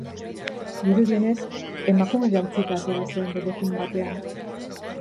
Dirudienez, emakumez jantzita atera zen bere film batean.